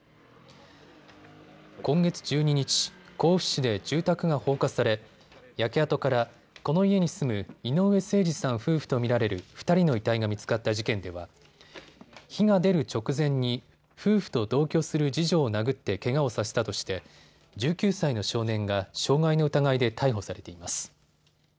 今月１２日、甲府市で住宅が放火され焼け跡からこの家に住む、井上盛司さん夫婦と見られる２人の遺体が見つかった事件では火が出る直前に夫婦と同居する次女を殴ってけがをさせたとして１９歳の少年が傷害の疑いで逮捕されています。